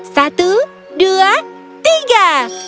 satu dua tiga